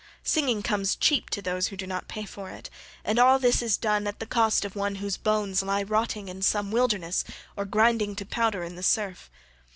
Singing comes cheap to those who do not pay for it, and all this is done at the cost of one whose bones lie rotting in some wilderness or grinding to powder in the surf.